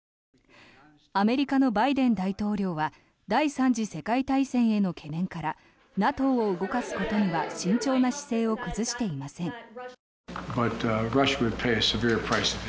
アメリカのバイデン大統領は第３次世界大戦への懸念からＮＡＴＯを動かすことには慎重な姿勢を崩していません。